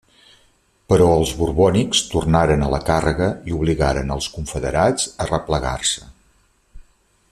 Però els borbònics tornaren a la càrrega i obligaren els confederats a replegar-se.